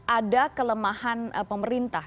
ada kelemahan pemerintah